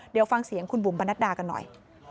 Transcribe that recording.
เดี๋ยวฟังเสียงคุณบุ๋มปนัดดากันหน่อย